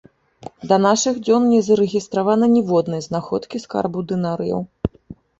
Да нашых дзён не зарэгістравана ніводнай знаходкі скарбаў дынарыяў.